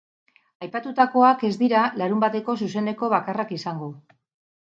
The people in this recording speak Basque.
Aipatutakoak ez dira larunbateko zuzeneko bakarrak izango.